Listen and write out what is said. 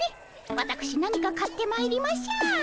わたくし何か買ってまいりましょう。